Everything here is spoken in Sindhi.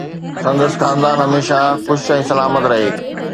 سندس خاندان هميشه خوش ۽ سلامت رهي